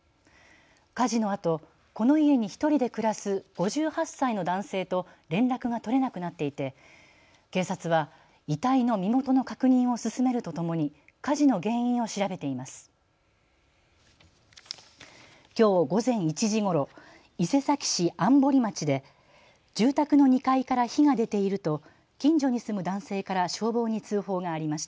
火事のあとこの家に１人で暮らす５８歳の男性と連絡が取れなくなっていて警察は遺体の身元の確認を進めるとともに火事の原因を調べています。